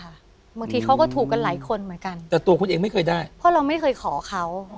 บางทีเขาก็ถูกกันหลายคนเหมือนกันแต่ตัวคุณเองไม่เคยได้เพราะเราไม่เคยขอเขา